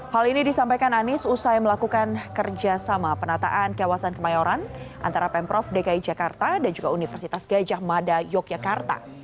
hal ini disampaikan anies usai melakukan kerjasama penataan kawasan kemayoran antara pemprov dki jakarta dan juga universitas gajah mada yogyakarta